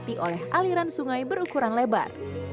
kota yang dikeluarkan oleh aliran sungai berukuran lebar